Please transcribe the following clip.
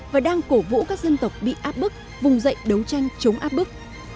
và đang cổ vũ các dân tộc bị áp bức vùng dậy đấu tranh chống áp bức